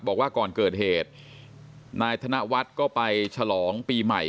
บอกว่าก่อนเกิดเหตุนายธนวัฒน์ก็ไปฉลองปีใหม่